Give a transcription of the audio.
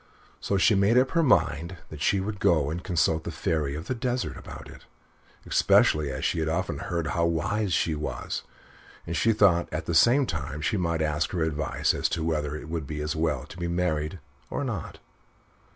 So she made up her mind that she would go and consult the Fairy of the Desert about it, especially as she had often heard how wise she was, and she thought that at the same time she might ask her advice as to whether it would be as well to be married, or not.